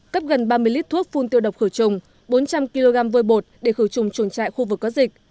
cấp gần ba mươi lít thuốc phun tiêu độc khử trùng bốn trăm linh kg vôi bột để khử trùng chuồng trại khu vực có dịch